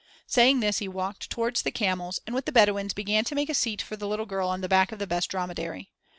Saying this he walked towards the camels and with the Bedouins began to make a seat for the little girl on the back of the best dromedary.